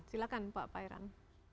silakan pak pairan